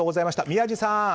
宮司さん！